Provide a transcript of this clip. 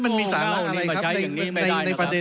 ไม่ได้เป็นประธานคณะกรุงตรี